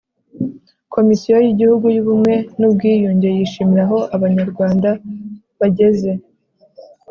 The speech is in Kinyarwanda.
Komisiyo y Igihugu y Ubumwe n Ubwiyunge yishimira aho Abanyarwanda bageze